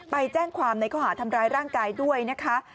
ไปแจ้งความในข้อหาทำร้ายร่างกายด้วยนะคะ